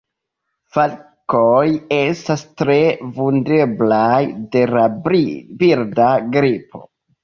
Falkoj estas tre vundeblaj de la birda gripo.